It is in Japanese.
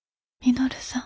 稔さん。